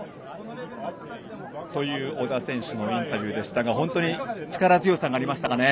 という小田選手のインタビューでしたが本当に力強さがありましたかね。